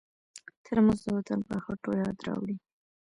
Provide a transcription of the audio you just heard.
ترموز د وطن پر خټو یاد راوړي.